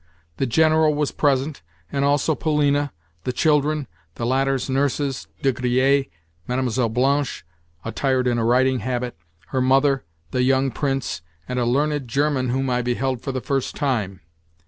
The General was present, and also Polina, the children, the latter's nurses, De Griers, Mlle. Blanche (attired in a riding habit), her mother, the young Prince, and a learned German whom I beheld for the first time.